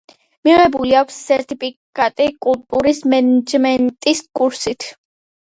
მიღებული აქვს სერტიფიკატი კულტურის მენეჯმენტის კურსით.